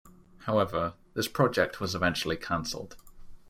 However, this project was eventually cancelled.